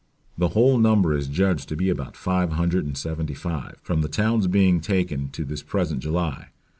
The whole number is judged to be about five hundred and seventy five, from the towns being taken to this present July.